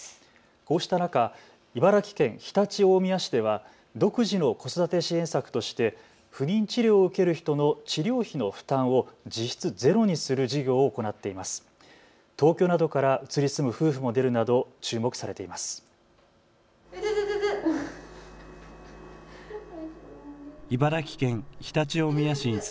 こうした中、茨城県常陸大宮市では独自の子育て支援策として不妊治療を受ける人の治療費の負担を実質ゼロにする事業を行っています。